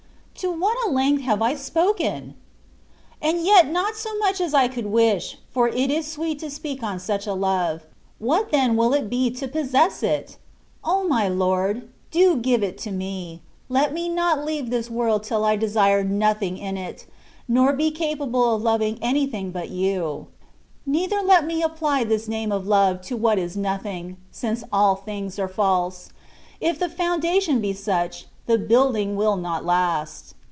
To what a length have I spoken ! And yet not so much as I could wish, for it is sweet to speak on such a love ; what then will it be to possess it ! O my Lord ! do give it to me ; let me not leave this world till I desire nothing in it, nor be capable of loving anything but You : neither let me apply this name of love to what is nothing, since all things are false: if the foundation be such, the building will not last.